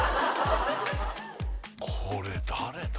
これ誰だ？